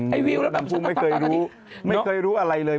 หมดน้ำผู้ไม่เคยรู้ไม่เคยรู้อะไรเลย